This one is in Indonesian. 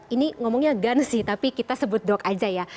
ini ngomongnya gun sih tapi kita sebut dok aja ya